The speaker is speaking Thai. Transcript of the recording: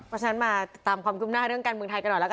เพราะฉะนั้นมาตามความคืบหน้าเรื่องการเมืองไทยกันหน่อยแล้วกัน